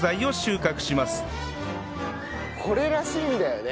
これらしいんだよね。